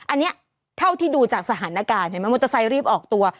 อันนี้เท่าที่ดูจากสถานการณ์เห็นไหมมอเตอร์ไซค์รีบออกตัว